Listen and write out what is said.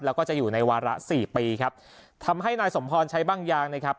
แล้วก็จะอยู่ในวาระสี่ปีครับทำให้นายสมพรใช้บ้างยางนะครับ